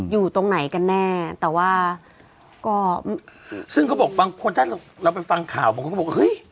อยู่ตรงไหนกันแน่แต่ว่าก็ซึ่งเขาบอกบางคนถ้าเราไปฟังข่าวบางคนก็บอกเฮ้ย